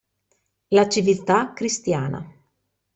La civiltà cristiana.